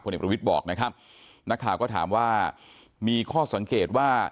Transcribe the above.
เอกประวิทย์บอกนะครับนักข่าวก็ถามว่ามีข้อสังเกตว่า